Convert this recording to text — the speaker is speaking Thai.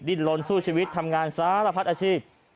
ลนสู้ชีวิตทำงานสารพัดอาชีพ